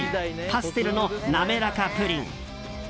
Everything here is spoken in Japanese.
パステルのなめらかプリン。